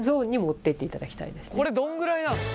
これどんぐらいなの？